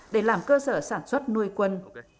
để làm cơ sở sản xuất nuôi quân